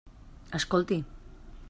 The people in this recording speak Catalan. Escolti.